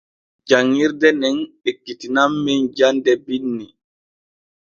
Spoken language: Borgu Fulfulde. Janŋirde nen ekkitinan men jande binni.